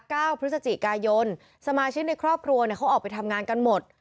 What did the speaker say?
เก้าพฤศจิกายนสมาชิกในครอบครัวเนี่ยเขาออกไปทำงานกันหมด